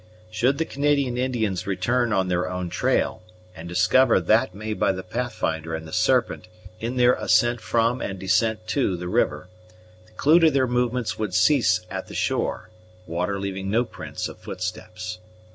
Should the Canadian Indians return on their own trail, and discover that made by the Pathfinder and the Serpent in their ascent from and descent to the river, the clue to their movements would cease at the shore, water leaving no prints of footsteps.